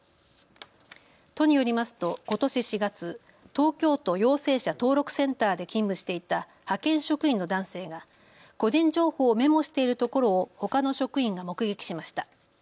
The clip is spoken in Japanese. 都によりますとことし４月、東京都陽性者登録センターで勤務していた派遣職員の男性が個人情報をメモしているところをほかの職員が目撃しました。